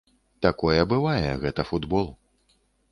Такое бывае, гэта футбол.